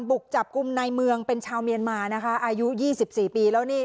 บุกจับกลุ่มในเมืองเป็นชาวเมียนมานะคะอายุ๒๔ปีแล้วนี่